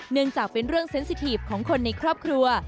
เนื่องจากเป็นเรื่องเซ็นสิทีฟของคนในครอบครัว